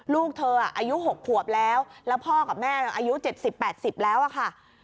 ลูกเธออายุ๖ขวบแล้วแล้วพ่อกับแม่อายุ๗๐๘๐แล้วอะค่ะ